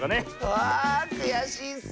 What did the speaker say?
あくやしいッス！